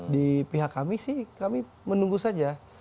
di pihak kami sih kami menunggu saja